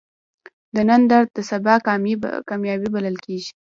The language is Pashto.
د نن درد د سبا کامیابی بلل کېږي.